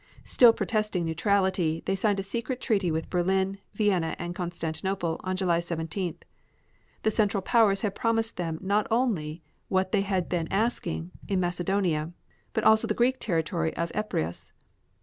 Still protesting neutrality they signed a secret treaty with Berlin, Vienna and Constantinople on July 17th. The Central Powers had promised them not only what they had been asking, in Macedonia, but also the Greek territory of Epirus.